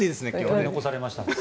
取り残されました。